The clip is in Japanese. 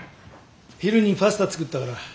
昼にパスタ作ったから。